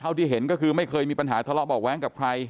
ที่เห็นก็คือไม่เคยมีปัญหาทะเลาะเบาะแว้งกับใคร